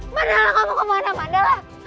mandala kamu mau kemana mandala